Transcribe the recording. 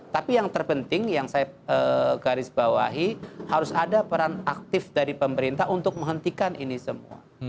tapi yang terpenting yang saya garis bawahi harus ada peran aktif dari pemerintah untuk menghentikan ini semua